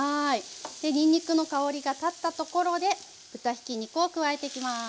にんにくの香りが立ったところで豚ひき肉を加えていきます。